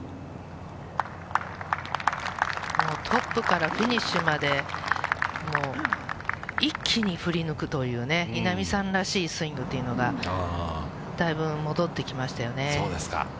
トップからフィニッシュまで、一気に振り抜くという、稲見さんらしいスイングというのが、そうですか。